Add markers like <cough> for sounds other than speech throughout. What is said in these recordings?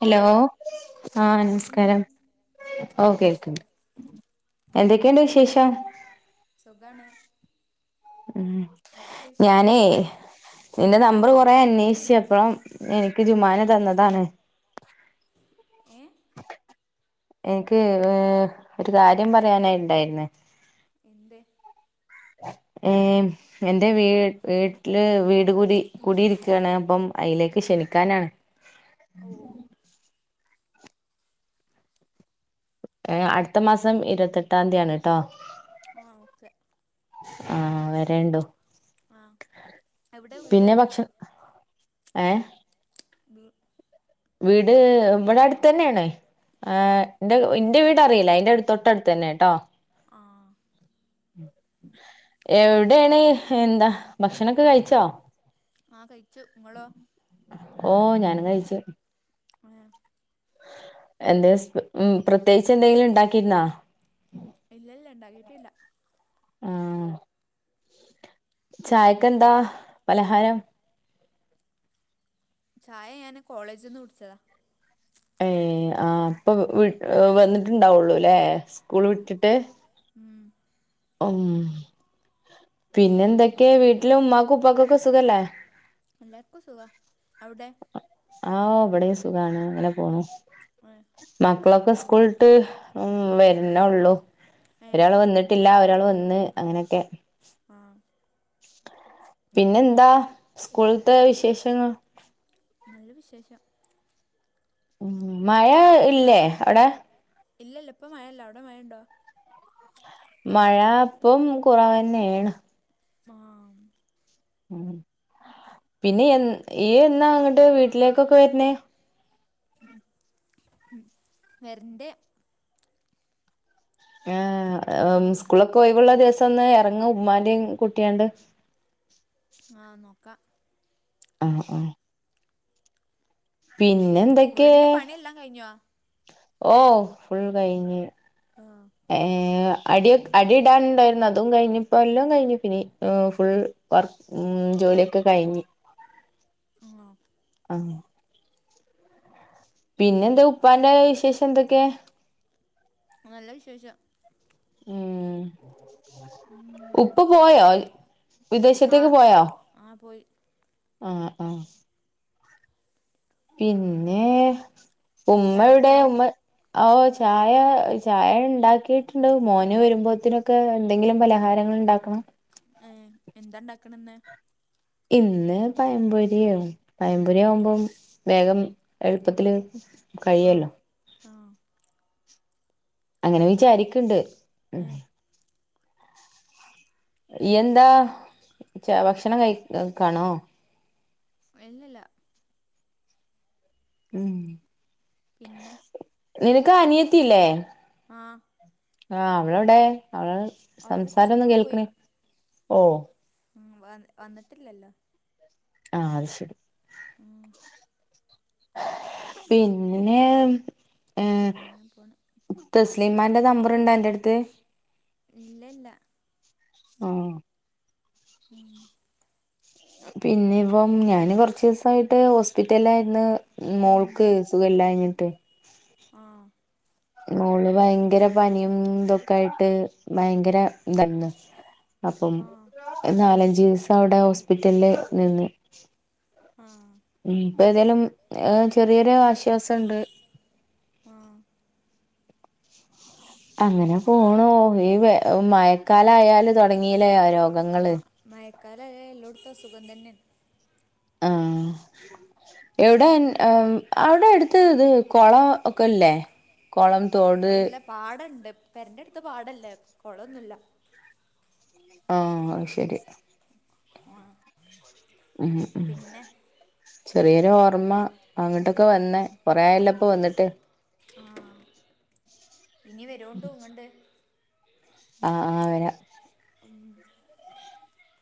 Hello ആ ആഹ് കേക്കണില്ലേ നമസ്കാരം ഓ ആ കേൾക്കിണ്ട്. നമസ്കാരം എന്തൊക്കെയുണ്ട് വിശേഷം? സുഖാണ്. ഉം അവിടുത്തെ ഞാനേ വിശേഷങ്ങളോ നിന്റെ നമ്പർ ആ കൊറെ അന്വേഷിച്ചപ്പോമ എനിക്ക് ജുമാന തന്നതാണ്. ഏ എനിക്ക് ഏഹ് ഒരു കാര്യം പറയാനിണ്ടായിരുന്ന്. എന്തെ? ഏഹ് എൻ്റെ വീ വീട്ടില് വീട് കൂടി കൂടിയിരിക്കാണ് അപ്പം അയിലേക്ക് ക്ഷണിക്കാനാണ്. ഓ ഓ. ഏഹ് അടുത്ത മാസം ഇരുപത്തെട്ടാം തീയാണുട്ടോ. ആഹ് ഓക്കെ ആഹ് വരണ്ടോ ആ എവിടെ വീട് പിന്നെ ഭക്ഷ ഏഹ് വീ വീട് ഇവിടെ അടുത്തന്നെയാണ് ആ എന്റെ ഇ എന്റെ വീട് അറിയില്ലേ അയിൻ്റെ അടു തൊട്ടടുത്ത് തന്നെട്ടോ. ആ എവിടെയാണ് എന്താ ഭക്ഷണൊക്കെ കഴിച്ചോ? ആഹ് കയിച്ചു. ഇങ്ങളോ? ഓ ഞാനും കയിച്ചു. ആ എന്താ സ്പ ഉമ് പ്രത്യേകിച്ച് എന്തെങ്കിലും ഇണ്ടാക്കിരുന്നോ ഇല്ലല്ല ഇണ്ടാക്കിട്ടില്ല ആഹ്. ചായക്കെന്താ പലഹാരം? ചായ ഞാന് കോളേജിന്ന് കുടിച്ചതാ. ഏഹ് ആഹ് അപ്പൊ വീ വന്നിട്ടുണ്ടാവുള്ളു ല്ലേ. ആ സ്കൂള് വിട്ടിട്ട്. ഉം ഉം പിന്നെ എന്തൊക്കെ വീട്ടില ഉമ്മാക്ക ഉപ്പക്കൊക്കെ സുഖല്ലേ? എല്ലാർക്കു സുഖ അവിടെ ആഹ് ഇവിടെ സുഖാണ് അങ്ങനെ പോണ് ഏ മക്കളൊക്കെ സ് കൂൾട്ട് ഉ വര്‌നേ ഒള്ളൂ ഏ ഒരാൾ വന്ന് ഒരാൾ വന്ന് അങ്ങനൊക്കെ ആ പിന്നെ എന്താ സ്കൂൾത്തെ വിശേഷങ്ങൾ നല്ല വിശേഷം ഉം മഴ ഇല്ലേ അവിടെ? ഇല്ല ല്ല ഇപ്പ മയല്ലഅവിടെ മയണ്ടോ? മഴ പ്പം കുറവന്നെണ് മാ ഉം പിന്നെ എ ഈ എന്നാ അങ്ങട്ട് വീട്ടിലേക്കൊക്കെ വര്ന്നേ വരണ്ട് ആ അംമ് സ്കൂളൊക്കെ ഒഴിവുള്ള ദിവസം ത്തൊന്ന് ഇറങ്ങ് ഉമ്മാന്റെ കുട്ടിയാണ്ട് ആ നോക്ക ആ ആ പിന്നെ എന്തൊക്കെ? വീടിന്റെ പണിയെല്ലാം കഴിഞ്ഞോ ഓ ഫുൾ കഴിഞ്ഞ് ആഹ് ഏ അടി അടിടാനുണ്ടായിരുന്ന് അതും കഴിഞ്ഞ്പ്പോ എല്ലാം കഴിഞ്ഞ് പിനി ഫുൾ വർക്ക് ഉം ജോലിയൊക്കെ കഴിഞ്ഞ് ആ ഉം പിന്നെ ന്ത് ഉപ്പാന്റെ വിശേഷം എന്തൊക്കെ? നല്ല വിശേഷം. ഉം ഉം ഉപ്പ പോയോ? വിദേശത്തേക്ക് ആഹ് പോയോ? ആഹ് പോയി ആആ പിന്നെ ഉമ്മ എവ്ടെ? ചായടിച്ചോ ഉമ്മ ആ ഹോ ചായ ചായ ഉണ്ടാക്കിയിട്ട്ണ്ട് മോന് വരുമ്പോത്തിനൊക്കെ എന്തെങ്കിലും പലഹാരം ന്ന് ണ്ടാക്കണം. ഏ എന്താണ്ടാക്കണന്ന്? ഇന്ന് പയപൊരിയോ, പയപൊരിയാവുമ്പം വേഗം എളുപ്പത്തില് കഴ് ആഹ് യല്ലോ ആഹ് അങ്ങനെ വിചാരിക്ക്ണ്ട് ഏഹ് ഇയ്യന്താ ച്ച ഭക്ഷണം കഴികാണോ? എല്ലല്ല ഉം പിന്നെ നിനക്ക് അനിയത്തില്ലേ? ആ ആ അവളെവിടെ അവള അവരൊക്കെ സംസാരം ഒന്നും സ്കൂളിൽ പോയി കേൾക്ക്ണ് ഓ ഉം വ വന്നിട്ടില്ലല്ലോ ആഹ് അത് ശരി ഉം പിന്നെ പിന്നെ ങ്ങ പോണ് ല്ലിമാന്റെ നമ്പറ് ണ്ടോ അൻറ ടുത്ത് ഇല്ല ഇല്ല ആ <inaudible> പിന്നെ ഇപ്പം ഞാന് കൊറച്ചീസായിട്ട് ഹോസ്പിറ്റല് ആയിരുന്നു അയെന്തേ മോൾക്ക് സുഖല്ലാന്ന്ട്ട് ആഹ് മോള് ഭയങ്കര പനിയും ഇതൊക്കെ ആയിട്ട് ഭയങ്കര ഇതായനു അപ്പം ആഹ് നാലഞ്ച് <inaudible> ആഹ് ഇപ്പ ഏതായാലും ചെറിയൊരു ആശ്വാസംണ്ട് ആഹ് അങ്ങനെ പോണോ ഈ മഴക്കാലായാല് തുടങ്ങി ആഹ് മഴക്കാലയാ എല്ലോട്ത്തും അസുഖംതന്നെണ് ആഹ് എവിടെ അവിടെ <unintelligible> <unintelligible> ഇത് കൊള ഒക്കെല്ലേ കൊളം ഇല്ല പാടണ്ട് പെരന്റെ അടുത്ത് പാടല്ലേ കുളൊന്നുമില്ല ആഹ് അതുശരി <inaudible> ഉം ഉം പിന്നെ ചെറിയൊരു ഓർമ്മ അങ്ങോട്ടൊക്കെ വന്നെ കൊറയല്ലപ്പൊ വന്നിട്ട് ആ ഇനി വരോണ്ട് <unintelligible> ഇങ്ങണ്ട് ആഹ് ആ വരാ <unintelligible>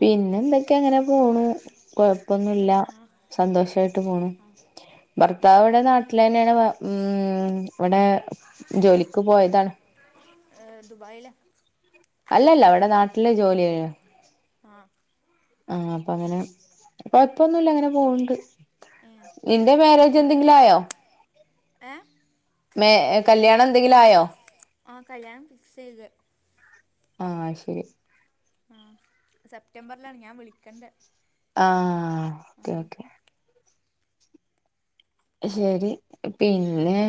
പിന്നെ എന്തൊക്കെ ഇങ്ങനെ പോണൂ പിന്നെ കൊഴപ്പൊന്നുല്ല ഇങ്ങനെ ആ സന്തോഷായിട്ട് പോണു ആ ആ ഭർത്താവവിടെ നാട്ടിൽ തന്നെയാണ് ഉം ഇവിടെ ജോലിക്ക് പോയതാ <inaudible> ഏ, ദുബായിലാ അല്ലല്ല അവിടെ നാട്ടില് ജോലിയ്യ ആഹ് ആഹ് അപ്പൊ അങ്ങനെ കൊയപ്പൊന്നുല്ല അങ്ങനെ പോവണ്ട് ഏ ഇന്റെ മാരേജ് എന്തെങ്കിലും ആയോ? ഏ <unintelligible> കല്യാണം എന്തെങ്കിലും ആയോ ആ കല്യാണം ഫിക്സ് ചെയ്ത് ആഹ് ശരി ആ സെപ്റ്റംബറിലാണ് ഞാൻ വിളിക്കണ്ട് ആഹ് ഓക്കെ ഓക്കെ ശരി, പിന്നെ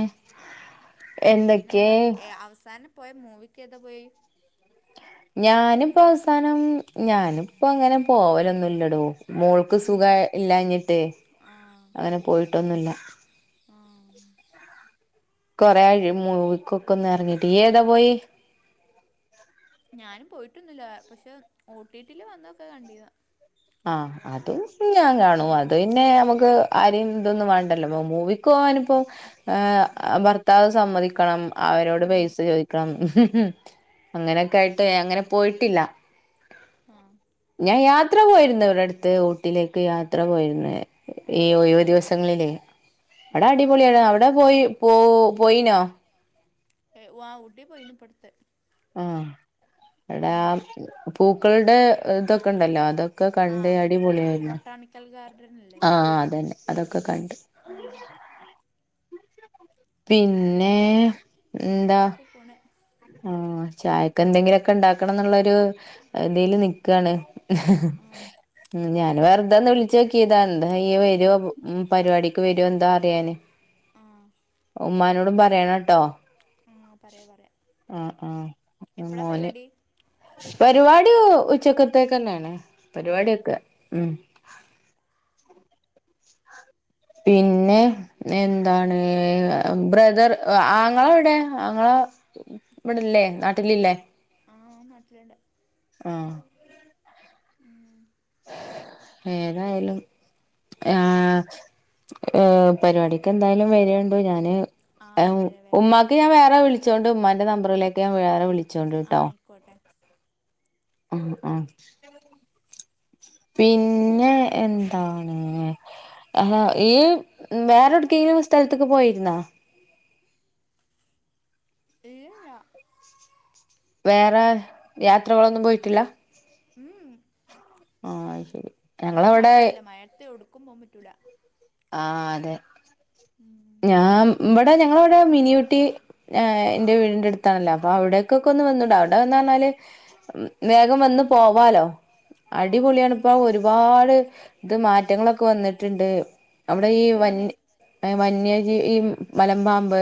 എന്തൊക്കെ പിന്നെന്താ അവസാനം പോയ മൂവിക്ക് ഏതാ പോയി ഞാനിപ്പോ അവസാനം ഞാനിപ്പോ അങ്ങനെ പോവലൊന്നുമില്ലടോ ആ മോൾക്ക് സുഖ എന്ത് ഇല്ലഞ്ഞിട്ട് ആ അങ്ങനെ പോയിട്ടൊന്നുമില്ല ആ <inaudible> കൊറെേ ആയി മൂവിക്കൊക്ക ഒന്ന് ഇറങ്ങിട്ട് ഇയ്യ് ഏതാ പോയെ ഞാനും പോയിട്ടൊന്നില്ല പക്ഷെ ഓട്ടിട്ടില് വന്നൊക്കെ കണ്ടിന് ആ അതും ഞാൻ കാണും അത് പിന്നെ നമുക്ക് ആരെയും ഇതൊന്നും വേണ്ടല്ലോ മൂവി പോവാനിപ്പോ ഭർത്താവ് സമ്മതിക്കണം, അവരോട് ഉം. പൈസ ചോദിക്കണം <unintelligible> അങ്ങനൊക്കെ ആയിട്ട് അങ്ങനെ പോയിട്ടില്ല ആ ഞാൻ യാത്ര പോയിരുന്നു ഇവിടെ അടുത്ത് ഊട്ടിലേക്ക് യാത്ര പോയിരുന്നു ഏ ഈ ഒഴിവ് ദിവസങ്ങളിലേ അവിടെ ആഹ് അടിപൊളിയാണ് അവിടെ പോയി പോ പോയിനോ എ വാ ഊട്ടി പോയിനി ഇപ്പടുത്ത് ആഹ് <unintelligible> പൂക്കളുടെ ഇതൊക്കെണ്ടല്ലോ അതൊക്കെ ഒക്കെ കണ്ട് ആഹ് അടിപൊളിയായിരുന്നു ബൊട്ടാണിക്കൽ ഗാർഡൻ ഇല്ലേ ആ അതെന്നെ അതൊക്കെ കണ്ട് പിന്നേ പിന്നെങ്ങനൊക്കെ പോണ് ആ ചായൊക്കെന്തെങ്കിലൊക്കെ ഇണ്ടാക്കണം ന്ന്ള്ളൊരു തീല് നിക്കാണ് ആഹ് ഉം ഞാന് വെർതൊന്നു വിളിച്ചാേക്കീതാ ന്തായ് ഈ വര്വോ ഉം പരിപാടിക്ക് വര്വോ എന്താ അറ്യാന് ആഹ് ഉമ്മാനോടും പറ്യേണട്ടൊ ആ പറയാ പറയാ ആ ആ എപ്പളാ മോന് പരിപാടി പരിപാടി ഉച്ചക്കത്തേക്കെന്നേണ്‌ ആഹ് പരിപാട്യാെക്കെ ഉം പിന്നെ എന്താണ് ബ്രദർ ആങ്ങള ഔടെ ആങ്ങളാ ഇവ്ടെല്ലേ നാട്ടിലില്ലേ ആ ഓൻ നാട്ടില്ണ്ട് ആഹ് ഏതായാലും ആ ആഹ് ഏ പരിപാടിക്ക് എന്തായാലും വരാേണ്ടു ഞാന് ആഹ് എം വരാ വരാ വരാ ഉമ്മാക്ക് ഞാൻ വേറെ വിളിച്ചോണ്ട് ഉമ്മാന്റെ നമ്പറിലേക്ക് ഞാൻ വേറെ വിളി ആ അയ്ക്കോട്ടെ ആ ആ പിന്നെ എന്താണ് ആ യ്യ് വേറൊട്ക്കെങ്കിലും സ്ഥലത്ത്ക്ക് പോയിര്ന്നാേ ഇല്ലില്ല വേറെ യാത്രകളൊന്നും പോയ്ട്ടില്ല മ് ഉം ആ അയ്ശെരി പിന്നെ ഇപ്പം മഴായിലെ മഴയത്ത് ഒട്ക്കും പോകാൻ പറ്റൂല ആ അതെ ഞാൻ ബടേ ഞങ്ങള്വ്ടെ മിനിയൂട്ടി ആ ഇന്റെ ആഹ് വീടിന്റെട്ത്താണല്ലോ അപ്പൊ അവിടേക്കൊക്കൊന്ന് ആഹ് വന്നുടെ അവ്ടെ വന്ന് പർഞ്ഞാല് വേഗം വന്ന് പോവാലോ ആഹ് അടിപൊളിയാണ് ഇപ്പം ഒരുപാട് ഇത് മാറ്റങ്ങളൊക്കെ വന്ന്ട്ട്ണ്ട് അവിടെ ഈ എന്തൊക്കെയാ വന്നേ വന്യ എ വന്യ ഈ ഇ മലമ്പാമ്പ്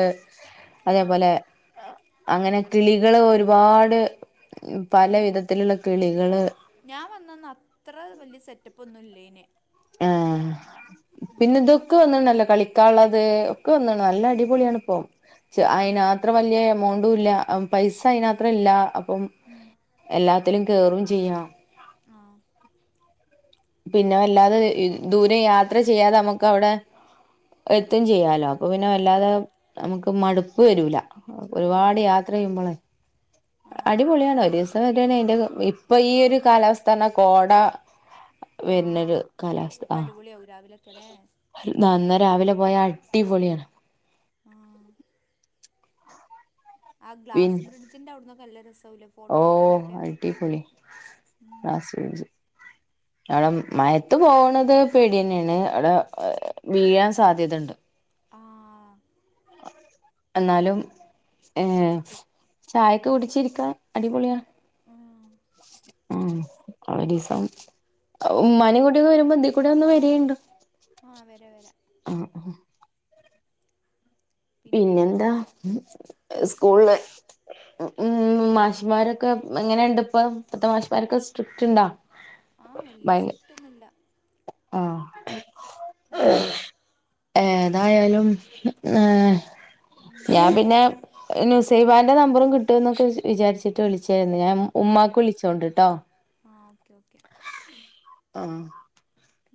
ആഹ് അതേപോലെ അങ്ങനെ കിളികള് ഒരുപാട് പല വിധത്തിലുള്ള കിളികള് അന്നൊന്നും അത്ര വല്യ സെറ്റപ്പാെന്നും ഇല്ലേനി ആ പിന്നെ ഇതൊക്കെ വന്ന്ണല്ലോ കളിക്കാള്ളത് ഒക്കെ വന്ന്ണ് നല്ല അടി പൊളിയാണ്പ്പം ശെ ഏ അയ്നാത്രം വല്യ എമൗണ്ടുംല്ല പൈസ അയ്നാത്രല്ല അപ്പം ഉം. എല്ലാത്തിലും കേറും ചെയ്യാം ആ പിന്നെ വല്ലാതെ ദൂരം യാത്ര ചെയ്യാതെ ഞമ്മക്ക് അവ്ടെ എത്തും ചെയ്യാലോ അപ്പൊ പിന്നെ ആ വല്ലാതെ ഞമ്മക്ക് മടുപ്പ് വരൂല ആ ഒരുപാട് യാത്ര ചെയ്യുമ്പള ആ അടിപൊളിയാണ് ഒരീസം വരാണ് അയ്ന്റെത് ഇപ്പൊ ഈയൊരു കാലാവസ്ഥാർഞ്ഞ കോട ആ വര്ണൊരു കാലാവസ്ഥ അപ്പം ആ അടിപൊളിയാവും രാവിലെയൊക്കെ അല്ലേ നന്ന രാവിലെ പോയ അടിപൊള്യാണ് ആ ആ പിൻ ഗ്ലാസ് ബ്രിഡ്ജിന്റെ അവിട്ന്നൊക്കെ നല്ല രസാവൂലെ ഫോട്ടട്ക്കാനൊക്കെ ആ സെരി സെ അവ്ടെ മഴത്ത് പോക്ണത് പേട്യെന്നേണ്‌ അവ്ടെ വീഴാൻ സാധ്യതണ്ട് ആ എന്നാലും ഏ ചായൊക്കെ കുടിച്ചിരിക്ക അടിപൊള്യാ ഉം. ആ ഒരീസം ഉമ്മാനിം കൂട്ടി വരുമ്പം ഇതിക്കൂടെ ഒന്ന് വരേണ്ടി ആ വര വരാ പിന്നെ എന്താ സ്ക്കൂൾ ഉം മാഷ്മാരൊക്കെ എങ്ങനെയുണ്ട് ഇപ്പ ഇപ്പത്തെ മാഷമാരൊക്കെ സ്ട്രിക്ട് ഉണ്ടാ? ആ വലിയ സ്ട്രിക്ടാെന്നുല്ല ആ ഏതായാലും ഞാ ഉം. ഞാൻ പിന്നെ ന്യൂസ് സേവാൻ്റെ നമ്പറും കിട്ടു എന്നൊക്കെ വിചാ വിചരിച്ചിട്ട് വിളിച്ച രുന്നു ഞാൻ ആ ഉമ്മാക്ക് വിളിച്ചോണ്ടിട്ടോ ആ ഓക്കെ ഓക്കെ ആ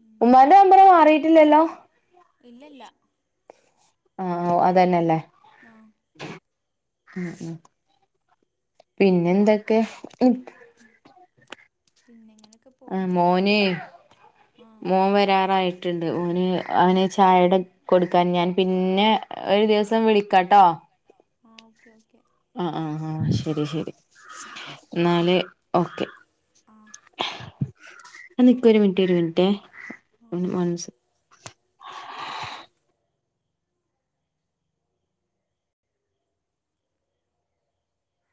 ഉം. ഉമ്മാന്റെ നമ്പർ മാറിയിട്ടില്ലല്ലോ? ഇല്ലല്ല. ആ അതന്നെയല്ലേ. ആ ആഹ ഹ പിന്നെ എന്തൊക്കെ? ഉം പിന്നെ ഇങ്ങനെയൊക്കെ ആഹ പോണ് മോന് ആ മോൻ വരാറായിട്ടുണ്ട് ഓന് അവന് ചായയുടെ കൊടുക്കാൻ ഞാൻ പിന്നെ ഓ ഒരു ദിവസം വിളിക്കാട്ടോ. ആ ഓക്കെ ഓക്കെ. ആ ആഹ് ആഹ് ശരി ശരി എന്നാല് ഓക്കെ. ആ നിക്ക് ഒരു മിനിറ്റ് ഒരു മിനിറ്റ് ആ വൺസ്